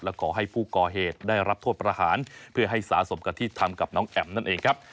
และขอให้ผู้ก่อเหตุได้รับโทษประหารเพื่อให้สะสมกับที่ทำกับน้องแอ๋มนั่นเองครับ